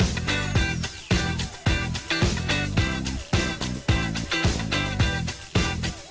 ใกล้แล้วใช่ไหมเยี่ยมไปแล้วไม่ครับ